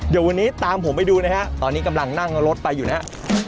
เดี๋ยววันนี้ตามผมไปดูนะฮะตอนนี้กำลังนั่งรถไปอยู่นะฮะ